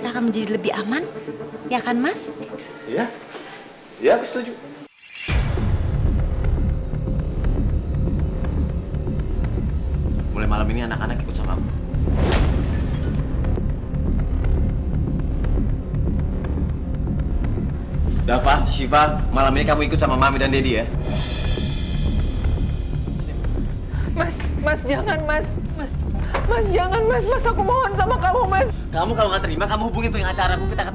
ya allah dapet ya allah dapet